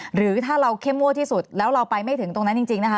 หรือถ้าเราเข้มงวดที่สุดแล้วเราไปไม่ถึงตรงนั้นจริงนะคะ